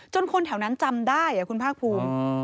คนแถวนั้นจำได้คุณภาคภูมิ